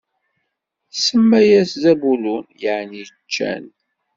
Tsemma-yas Zabulun, yeɛni ccan.